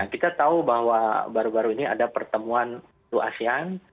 kita tahu bahwa baru baru ini ada pertemuan asean